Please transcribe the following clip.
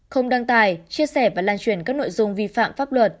không đăng tài chia sẻ và lan truyền các nội dung vi phạm pháp luật